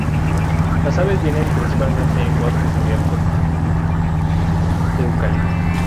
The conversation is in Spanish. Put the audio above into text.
Las aves viven principalmente en bosques abiertos de eucalipto.